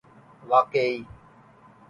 واقعی